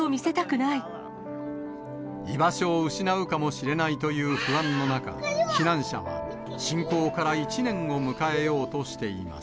居場所を失うかもしれないという不安の中、避難者は侵攻から１年を迎えようとしています。